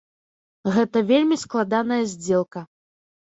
Гэта вельмі складаная здзелка.